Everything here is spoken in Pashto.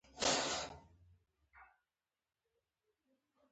زلمی خان: همدا یې ښه لار ده.